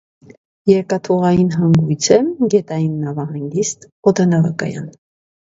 Երկաթուղային հանգույց է, գետային նավահանգիստ, օդանավակայան։